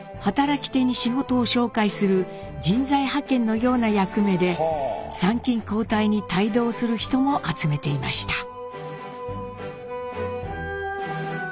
働き手に仕事を紹介する人材派遣のような役目で参勤交代に帯同する人も集めていました。